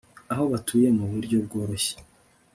aho batuye mu buryo bworoshye